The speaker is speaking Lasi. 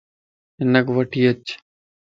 ھنک وڻھي اچ